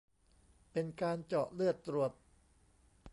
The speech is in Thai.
เป็นการเจาะเลือดตรวจ